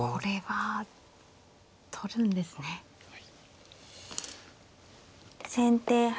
はい。